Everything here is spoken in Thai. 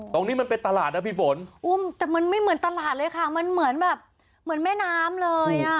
ตรงนี้มันเป็นตลาดนะพี่ฝนอุ้มแต่มันไม่เหมือนตลาดเลยค่ะมันเหมือนแบบเหมือนแม่น้ำเลยอ่ะ